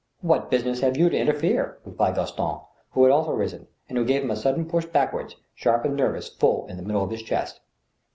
" What business have you to interfere ?" replied Gaston, who had also risen, and who gave him a sudden push backward, sharp and nervous, full in the middle of his chest.